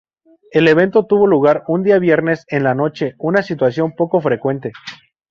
El evento tuvo lugar un día viernes en la noche, una situación poco frecuente.